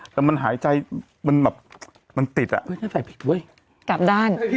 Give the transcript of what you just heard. แต่มันหายใจมันแบบมันติดอ่ะเข้าใจผิดเว้ยกลับด้าน